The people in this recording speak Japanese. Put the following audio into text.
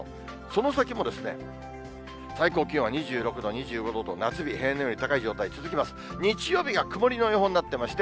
その先も最高気温２６度、２５度と、夏日、平年より高い状態続きます。